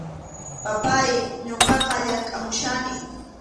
Papáy, ñuqaqa llamkʼamuchkanim.